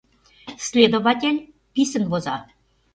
Следователь писын воза.